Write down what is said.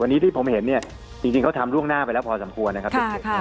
วันนี้ที่ผมเห็นเนี่ยจริงเขาทำล่วงหน้าไปแล้วพอสมควรนะครับเด็ก